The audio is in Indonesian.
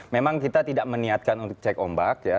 memang kita tidak meniatkan untuk cek ombak ya